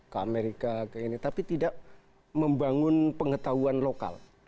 ke amerika ke ini tapi tidak membangun pengetahuan lokal